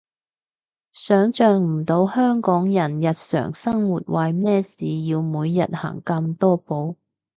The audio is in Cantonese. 想像唔到香港人日常生活為咩事要每日行咁多步